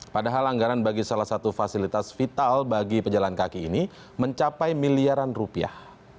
padahal anggaran bagi salah satu fasilitas vital bagi pejalan kaki ini mencapai miliaran rupiah